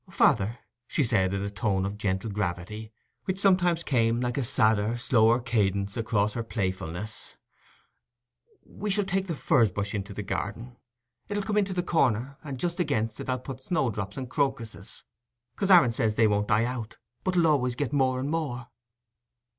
"Father," she said, in a tone of gentle gravity, which sometimes came like a sadder, slower cadence across her playfulness, "we shall take the furze bush into the garden; it'll come into the corner, and just against it I'll put snowdrops and crocuses, 'cause Aaron says they won't die out, but'll always get more and more."